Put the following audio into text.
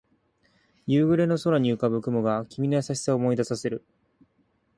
夕暮れの空に浮かぶ雲が君の優しさを思い出させる